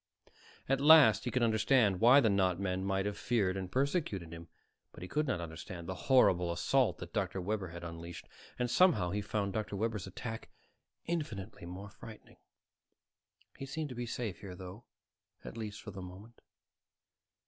At least he could understand why the not men might have feared and persecuted him, but he could not understand the horrible assault that Dr. Webber had unleashed. And somehow he found Dr. Webber's attack infinitely more frightening. He seemed to be safe here, though, at least for the moment.